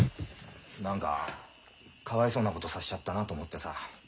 何かかわいそうなことさせちゃったなと思ってさ。